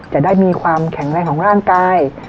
จะได้มีความแข็งแรงของร่างกาย